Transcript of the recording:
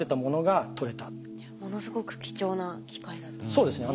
ものすごく貴重な機会だったんですね。